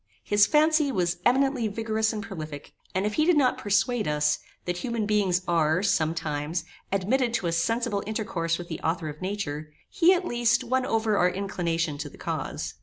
His fancy was eminently vigorous and prolific, and if he did not persuade us, that human beings are, sometimes, admitted to a sensible intercourse with the author of nature, he, at least, won over our inclination to the cause.